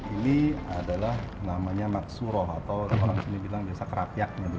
ini adalah namanya maksuroh atau orang sini bilang kerapyak